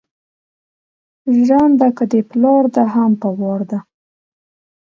جرنده که دا پلار ده هم په وار ده